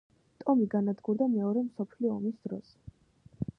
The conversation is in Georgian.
ტომი განადგურდა მეორე მსოფლიო ომის დროს.